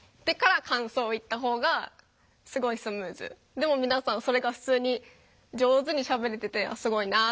でも皆さんそれが普通に上手にしゃべれててすごいなっていう。